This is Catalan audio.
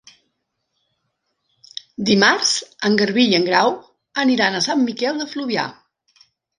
Dimarts en Garbí i en Grau aniran a Sant Miquel de Fluvià.